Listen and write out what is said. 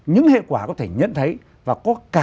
những hệ quả có thể nhận thấy và có cả